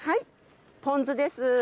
ポン酢です。